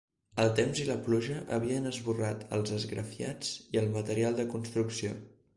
El temps i la pluja havien esborrat els esgrafiats i el material de construcció.